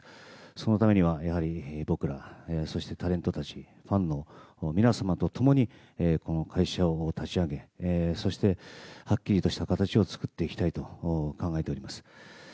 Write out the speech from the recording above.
そのためには僕ら、そしてタレントたちファンの皆様と共にこの会社を立ち上げそしてはっきりとした形を作っていきたいと考えております。